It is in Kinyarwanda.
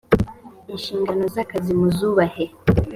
inshingano z ‘akazi muzubahe.